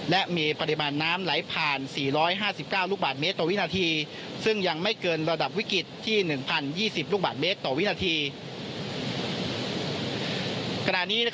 และมีปริมาณน้ำไหลผ่าน๔๕๙ลูกบาทเมตรต่อวินาทีซึ่งยังไม่เกินระดับวิกฤตที่๑๐๒๐ลูกบาทเมตรต่อวินาที